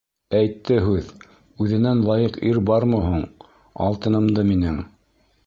«Әйтте һүҙ, үҙенән лайыҡ ир бармы һуң, алтынымды минең?!»